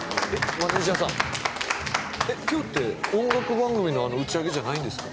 マネージャーさんえっ今日って音楽番組の打ち上げじゃないんですか？